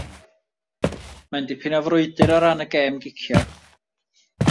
Mae'n dipyn o frwydr o ran y gêm gicio.